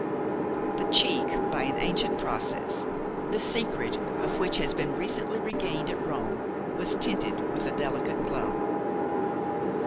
The cheek, by an ancient process, the secret of which has been recently regained at Rome, was tinted with a delicate glow.